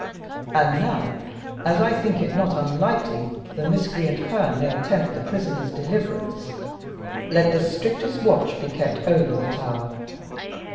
And now as I think it not unlikely the miscreant Herne may attempt the prisoner's deliverance, let the strictest watch be kept over the tower.